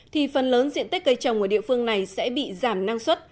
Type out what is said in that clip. thì phần lớn diện tích cây trồng ở địa phương này sẽ bị giảm năng suất